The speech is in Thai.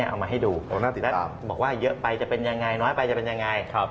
เอามาให้ดูตรงนั้นบอกว่าเยอะไปจะเป็นยังไงน้อยไปจะเป็นยังไง